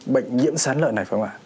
bệnh nhiễm sán lợn này không ạ